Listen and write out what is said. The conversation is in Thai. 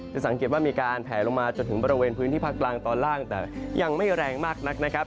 สังเกตว่ามีการแผลลงมาจนถึงบริเวณพื้นที่ภาคกลางตอนล่างแต่ยังไม่แรงมากนักนะครับ